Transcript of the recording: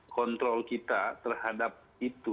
kontrol kita terhadap itu